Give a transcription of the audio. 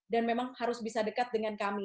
dan memang harus bisa dekat dengan kami